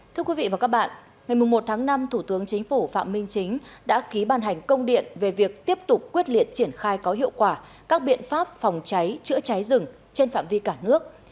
thưa quý vị và các bạn ngày một tháng năm thủ tướng chính phủ phạm minh chính đã ký bàn hành công điện về việc tiếp tục quyết liệt triển khai có hiệu quả các biện pháp phòng cháy chữa cháy rừng trên phạm vi cả nước